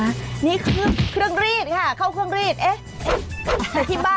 มันอุ้นแบบนี้นะ